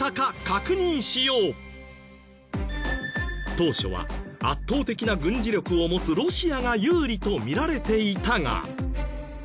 当初は圧倒的な軍事力を持つロシアが有利と見られていたが。